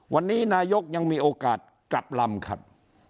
วันนี้นายกยังมีโอกาสกลับลำครับ